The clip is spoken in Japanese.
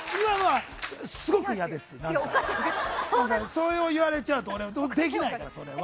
それを言われちゃうとできないから、それは。